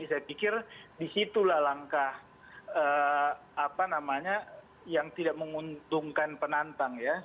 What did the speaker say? saya pikir disitulah langkah yang tidak menguntungkan penantang ya